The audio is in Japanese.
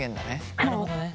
なるほどね。